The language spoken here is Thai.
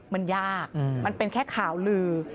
มันยากมันเป็นแค่ข่าวลือ